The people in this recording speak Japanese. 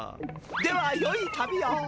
ではよい旅を。